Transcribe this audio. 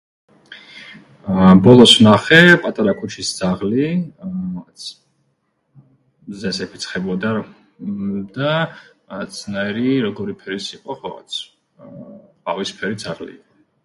აა, ბოლოს ვნახე პატარა ქუჩის ძაღლი, აა, რაღაც... მზეს ეფიცხებოდა, ამმ, და რაღაცნაირი, როგორი ფერის იყო... ხო, რაღაც, ყავისფერი ძაღლი...